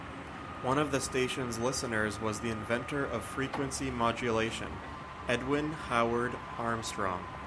One of the station's listeners was the inventor of frequency modulation, Edwin Howard Armstrong.